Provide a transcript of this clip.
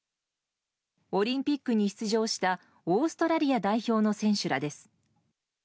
オリンピックに出場したオーストラリア代表の選手らです。